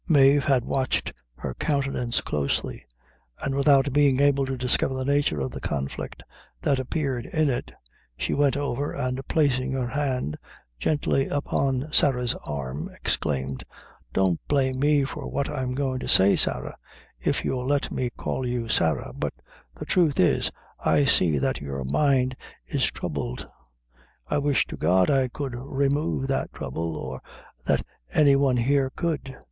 Mave had watched her countenance closely, and without being able to discover the nature of the conflict that appeared in it, she went over, and placing her hand gently upon Sarah's arm, exclaimed "Don't blame me for what I'm goin' to say, Sarah if you'll let me call you Sarah; but the truth is, I see that your mind is troubled. I wish to God I could remove that trouble, or that any one here could!